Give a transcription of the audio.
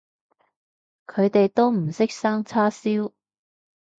佢哋都唔識生叉燒